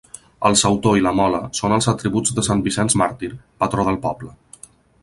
El sautor i la mola són els atributs de sant Vicenç màrtir, patró del poble.